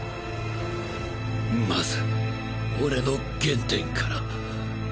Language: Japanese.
まず俺の原点から。